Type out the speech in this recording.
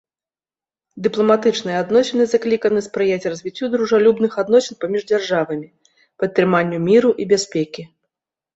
Дыпламатычныя адносіны закліканы спрыяць развіццю дружалюбных адносін паміж дзяржавамі, падтрыманню міру і бяспекі.